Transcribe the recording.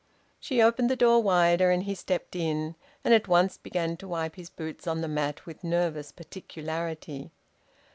She opened the door wider, and he stepped in, and at once began to wipe his boots on the mat with nervous particularity.